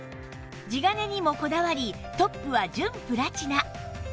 地金にもこだわりトップは純プラチナ